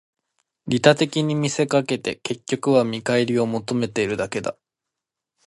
利他的に見せかけて、結局は見返りを求めているだけだ